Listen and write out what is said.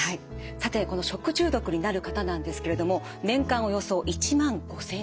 さてこの食中毒になる方なんですけれども年間およそ１万５，０００人です。